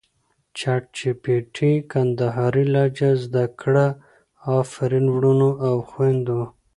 چټ جې پې ټې کندهارې لهجه زده کړه افرین ورونو او خویندو!